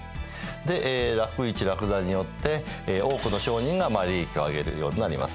で楽市・楽座によって多くの商人が利益を上げるようになります。